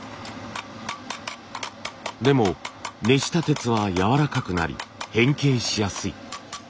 でも熱した鉄はやわらかくなり変形しやすい。